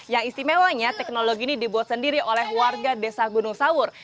yang istimewanya teknologi ini dibuat sendiri oleh warga desa gunung sawur